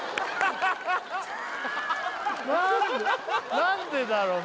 何でだろうな？